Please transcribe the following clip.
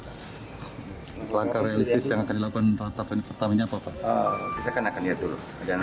tiga bungusan pastik kecil berisi butiran kristal yang diduga narkoba